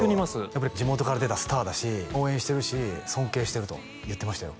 やっぱり地元から出たスターだし応援してるし尊敬してると言ってましたよ